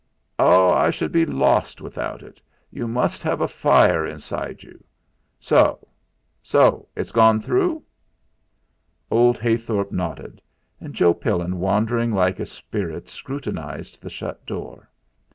"Oh! I should be lost without it. You must have a fire inside you. So so it's gone through?" Old Heythorp nodded; and Joe Pillin, wandering like a spirit, scrutinised the shut door.